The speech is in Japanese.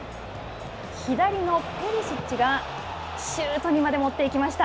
左のペリシッチが、シュートにまで持っていきました。